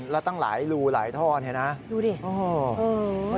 แล้วตั้งหลายรูหลายทอนเห็นไหมนะ